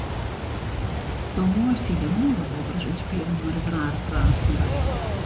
Do meist dy de mûle wolris útspiele mei dat rare praat fan dy.